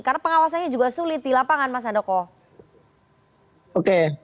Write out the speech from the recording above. karena pengawasannya juga sulit di lapangan mas andoko